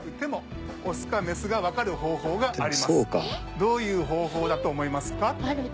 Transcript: どういう方法だと思いますか？